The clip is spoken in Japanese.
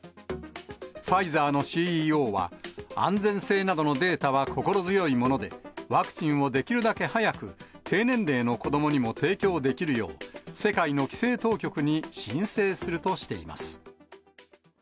ファイザーのＣＥＯは、安全性などのデータは心強いもので、ワクチンをできるだけ早く、低年齢の子どもにも提供できるよう、世界の規制当局に申請するとしています。